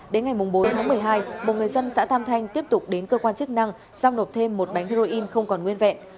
đến ngày bốn tháng một mươi hai một người dân xã tam thanh tiếp tục đến cơ quan chức năng giao nộp thêm một bánh heroin không còn nguyên vẹn